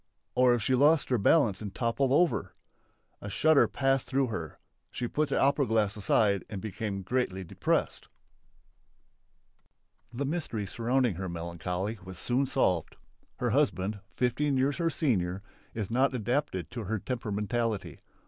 Or if she lost her balance and toppled over! A shudder passed through her. She put the opera glass aside and became greatly depressed. The mystery surrounding her melancholy was soon solved. Her husband, fifteen years her senior, is not adapted to her temperamentally.